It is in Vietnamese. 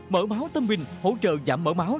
mỡ máu tâm bình hỗ trợ giảm mỡ máu